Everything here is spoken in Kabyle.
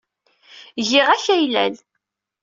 Giɣ akaylal.